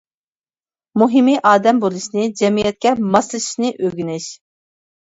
مۇھىمى ئادەم بولۇشنى، جەمئىيەتكە ماسلىشىشنى ئۆگىنىش.